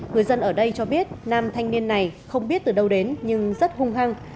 người dân ở đây cho biết nam thanh niên này không biết từ đâu đến nhưng rất hung hăng